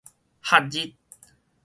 哈日